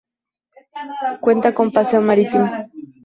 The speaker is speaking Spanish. Cuenta con paseo marítimo.